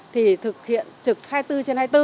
thì thực hiện trực hai mươi bốn trên hai mươi bốn